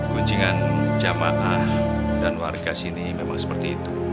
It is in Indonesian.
kuncingan jamaah dan warga sini memang seperti itu